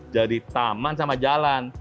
jadi taman sama jalan